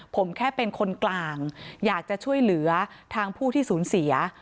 ผมแค่เป็นคนกลางอยากจะช่วยเหลือทางผู้ที่สูญเสีย